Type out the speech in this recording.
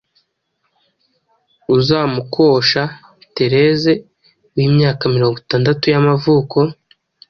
uzamukosha therese w’imyaka mirongo itandatu y’amavuko